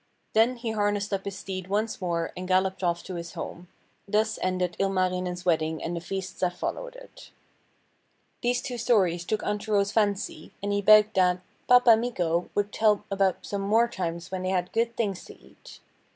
Then he harnessed up his steed once more and galloped off to his home. Thus ended Ilmarinen's wedding and the feasts that followed it. These two stories took Antero's fancy, and he begged that 'Pappa Mikko would tell about some more times when they had good things to eat.'